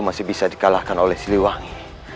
masih bisa di kalahkan oleh siliwangi